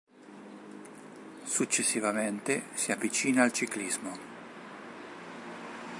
Successivamente si avvicina al ciclismo.